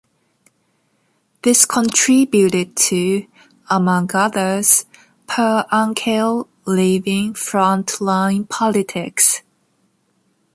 This contributed to, among others, Per Unckel leaving front-line politics.